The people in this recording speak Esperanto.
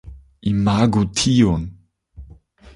Imagu tion